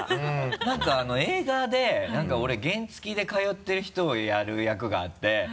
なんか映画で俺原付で通ってる人をやる役があって。